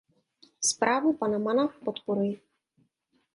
Zprávu pana Manna podporuji.